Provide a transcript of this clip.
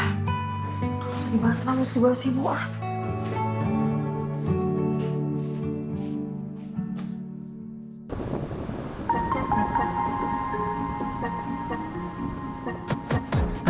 kalau harus dibahas kenapa harus dibahas siapa